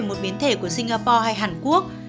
một biến thể của singapore hay hàn quốc